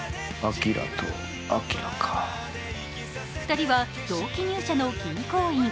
２人は同期入社の銀行員。